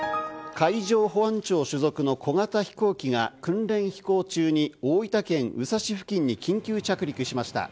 海上保安庁所属の小型飛行機が訓練飛行中に大分県宇佐市付近に緊急着陸しました。